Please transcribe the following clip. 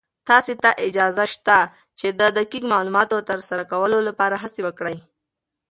تاسې ته اجازه شته چې د دقيق معلوماتو تر سره کولو لپاره هڅې وکړئ.